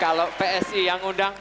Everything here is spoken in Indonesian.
kalau psi yang undang